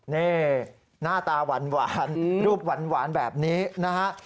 นี่หน้าตาหวานรูปหวานแบบนี้นะฮะ